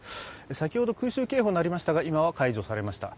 先ほど空襲警報鳴りましたが、今は解除されました。